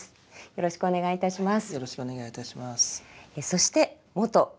よろしくお願いします。